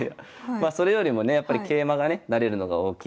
まあそれよりもねやっぱり桂馬がね成れるのが大きいと。